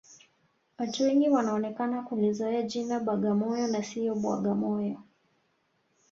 Watu wengi wanaonekana kulizoea jina bagamoyo na sio bwagamoyo